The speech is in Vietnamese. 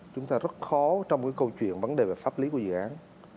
chúng ta rất khó trong cái câu chuyện vấn đề về pháp lý của dự án